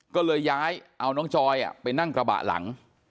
ก็เลยย้ายเอาน้องจอยไปนั่งกระบะหลัง